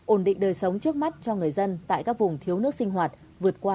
ổn định đời sống trước mắt cho người dân tại các vùng thiếu nước sinh hoạt vượt qua